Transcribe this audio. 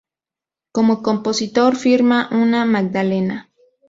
Como compositor firma Ana Magdalena.